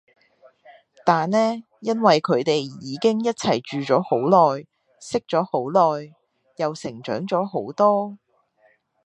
但呢因為佢哋已經一齊住咗好耐，識咗好耐，又成長咗好多